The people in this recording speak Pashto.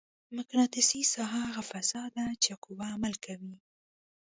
مقناطیسي ساحه هغه فضا ده چې قوه عمل کوي.